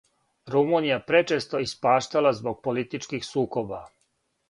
Румунија је пречесто испаштала због политичких сукоба.